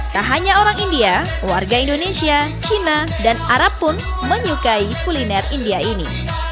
tak hanya orang india warga indonesia cina dan arab pun menyukai kuliner india ini